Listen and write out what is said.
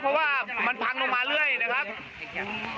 เพราะว่ามันพังลงมาเดี๋ยว